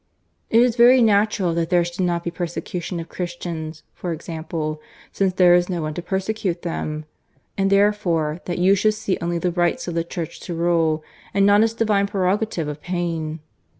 It is very natural that there should not be persecution of Christians, for example, since there is no one to persecute them; and therefore that you should see only the rights of the Church to rule, and not its divine prerogative of pain.